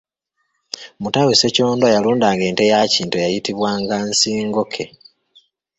Mutaawe Ssekyondwa yalundanga ente ya Kintu eyayitibwanga nsingoke.